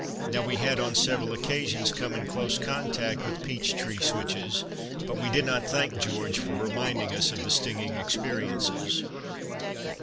Now we had on several occasions come in close contact with peach tree switches, but we did not thank George for reminding us of the stinging experiences.